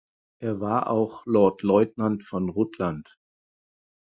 Er war auch Lord Lieutenant von Rutland.